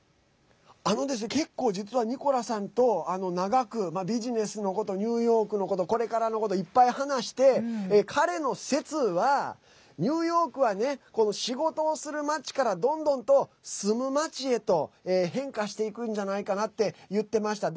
結構、実はニコラさんと長くビジネスのことニューヨークのことこれからのこと、いっぱい話して彼の説は、ニューヨークはね仕事をする街からどんどんと住む街へと変化していくんじゃないかなって言ってました。